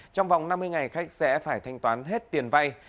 trong vòng năm mươi ngày khách sẽ phải thanh toán hết tiền vay